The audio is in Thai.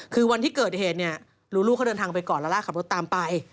คือวันที่เกิดเหตุเนี่ยรู้ลูกเขาเดินทางไปก่อนแล้วล่ะขับรถตามไป